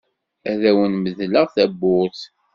Ad awen-medleɣ tawwurt.